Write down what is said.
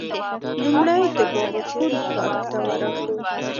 لومړی د باغ پل پارک ته ورغلو.